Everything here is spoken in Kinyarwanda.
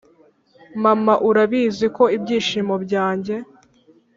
mama urabizi ko ibyishimo byanjye